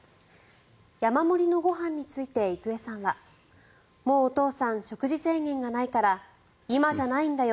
山盛りのご飯について郁恵さんはもうお父さん食事制限がないから今じゃないんだよ